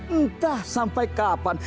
entah sampai kapan